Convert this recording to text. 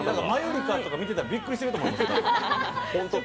マユリカとか見てたらびっくりしてると思います。